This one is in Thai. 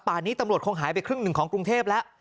นี้ตำรวจคงหายไปครึ่งหนึ่งของกรุงเทพแล้ว